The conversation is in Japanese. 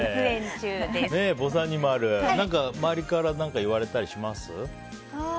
周りから何か言われたりします？